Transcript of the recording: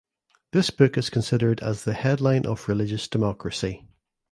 This book is considered as the headline of religious democracy.